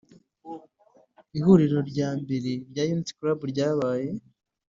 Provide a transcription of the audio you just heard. Ihuriro ryambere rya Unity club ryabaye